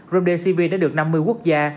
remdesivir đã được năm mươi quốc gia